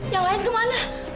yang lain kemana